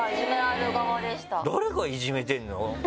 誰がいじめてるの？